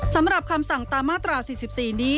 สำหรับคำสั่งตามมาตรา๔๔นี้